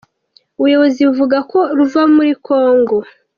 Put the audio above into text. Ubuyobozi buvuga ko ruva muri Congo.